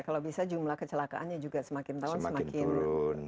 kalau bisa jumlah kecelakaannya juga semakin tahun semakin meningkat